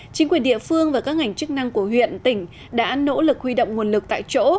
chính quyền địa phương và các ngành chức năng của huyện tỉnh đã nỗ lực huy động nguồn lực tại chỗ